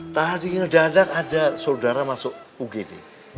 tadi kinerjanya ada saudara masuk ugd